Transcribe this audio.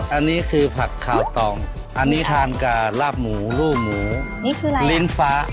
อันนี้คือผักคาวตองอันนี้ทานกับลาบหมูลู่หมูนี่คืออะไรลิ้นฟ้า